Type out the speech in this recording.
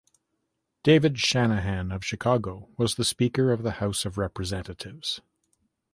David Shanahan of Chicago was the Speaker of the House of Representatives.